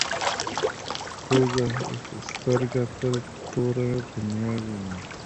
کوږه سترګه تل توره دنیا ویني